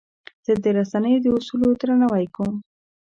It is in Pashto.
زه د رسنیو د اصولو درناوی کوم.